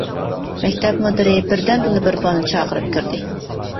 مەكتەپ مۇدىرى بىردەمدىلا بىر بالىنى چاقىرىپ كىردى.